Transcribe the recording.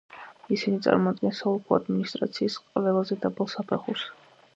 ისინი წარმოადგენს საოლქო ადმინისტრაციის ყველაზე დაბალ საფეხურს.